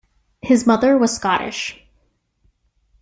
His mother was Scottish.